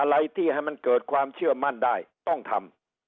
อะไรที่ให้มันเกิดความเชื่อมั่นได้ต้องทำ